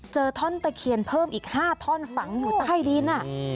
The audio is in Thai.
ท่อนตะเคียนเพิ่มอีก๕ท่อนฝังอยู่ใต้ดิน